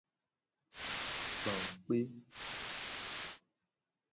Gba kpe.